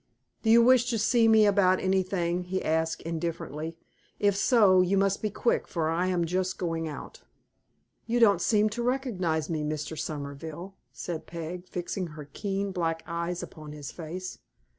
"Do you wish to see me about anything?" he asked, indifferently. "If so, you must be quick, for I am just going out." "You don't seem to recognize me, Mr. Somerville," said Peg, fixing her keen black eyes upon his face.